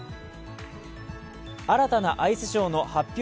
新たなアイスショーの発表